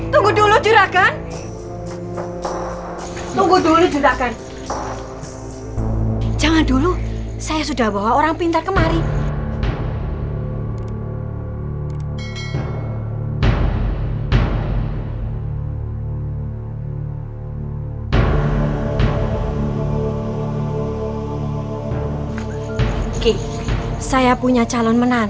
tunggu dulu jurakan